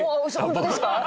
本当ですか？